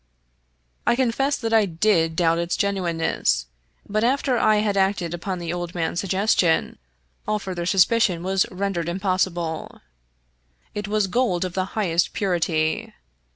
I confess that I did doubt its genuineness; but after I had acted upon the old man's suggestion, all further sus picion was rendered impossible. It was gold of the highest purity.